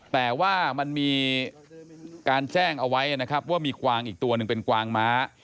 แต่ว่ามันมีการแจ้งเอาไว้นะครับว่ามีกวางอีกตัวหนึ่งเป็นกวางม้า